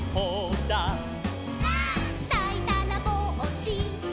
「」「だいだらぼっち」「」